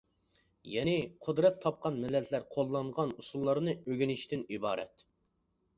يەنى قۇدرەت تاپقان مىللەتلەر قوللانغان ئۇسۇللارنى ئۆگىنىشتىن ئىبارەت.